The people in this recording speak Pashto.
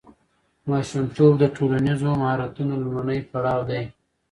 ماشومتوب د ټولنیز مهارتونو لومړنی پړاو دی.